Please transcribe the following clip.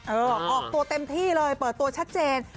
ออกตัวเต็มที่เลยเปิดตัวชัดเจน